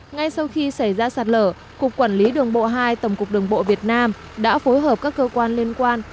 ngay sau khi xảy ra sạt lở cục quản lý đường bộ hai tổng cục đường bộ việt nam đã phối hợp các cơ quan liên quan